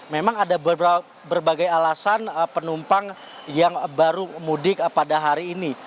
memang ada berbagai alasan penumpang yang baru mudik pada hari ini